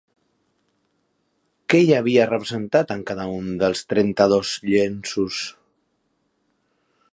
Què hi havia representat en cada un dels trenta-dos llenços?